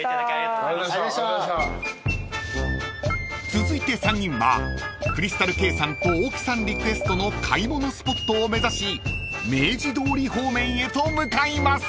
［続いて３人はクリスタルケイさんと大木さんリクエストの買い物スポットを目指し明治通り方面へと向かいます］